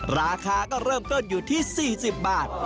ราคาก็เริ่มต้นอยู่ที่๔๐บาท